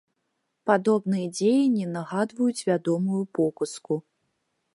Падобныя дзеянні нагадваюць вядомую показку.